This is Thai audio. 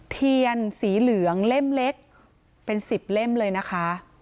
เทียนสีเหลืองเล่มเล็กเป็น๑๐เล่มเลยนะคะ